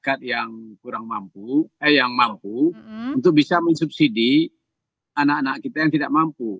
masyarakat yang kurang mampu eh yang mampu untuk bisa mensubsidi anak anak kita yang tidak mampu